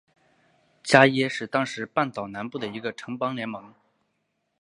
伽倻是当时半岛南部的一个城邦联盟。